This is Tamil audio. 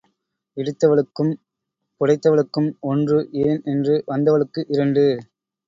இடித்தவளுக்கும் புடைத்தவளுக்கும் ஒன்று ஏன் என்று வந்தவளுக்கு இரண்டு.